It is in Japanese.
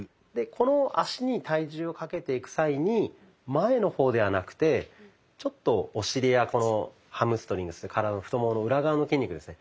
この脚に体重をかけていく際に前の方ではなくてちょっとお尻やハムストリングス体の太ももの裏側の筋肉ですね